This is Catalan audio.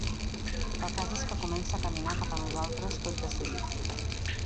El cas és que comença a caminar cap a nosaltres tot decidit.